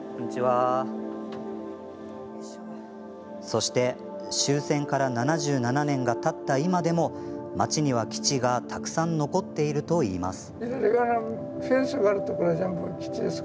そして終戦から７７年がたった今でも町には基地がたくさん残っているといいます。